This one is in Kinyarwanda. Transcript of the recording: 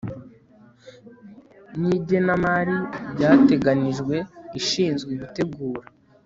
n igenamari byateganijwe ishinzwe gutegura